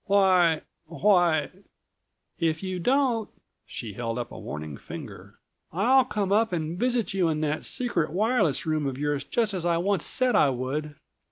"Why—why—" "If you don't," she held up a warning finger, "I'll come up and visit you in that secret wireless room of yours just as I once said I would."